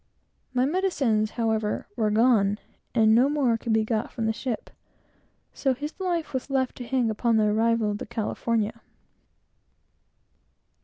My medicines, however, were gone, and no more could be got from the ship, so that his life was left to hang upon the arrival of the California.